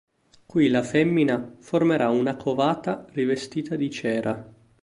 Qui la femmina formerà una covata rivestita di cera.